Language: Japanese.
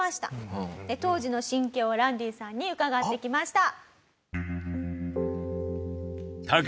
当時の心境をランディさんに伺ってきました。